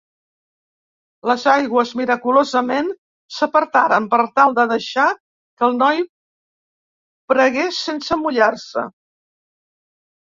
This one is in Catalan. Les aigües, miraculosament, s'apartaren per tal de deixar que el noi pregués sense mullar-se.